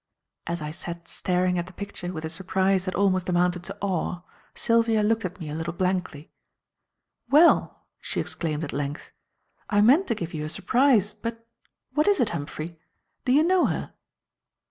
As I sat staring at the picture with a surprise that almost amounted to awe, Sylvia looked at me a little blankly. "Well!" she exclaimed, at length, "I meant to give you a surprise, but what is it, Humphrey? Do you know her?"